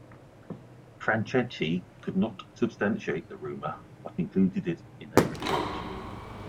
Franchetti could not substantiate the rumor but included it in a report.